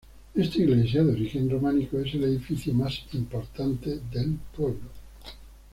Esta iglesia, de origen románico, es el edificio más importante del pueblo.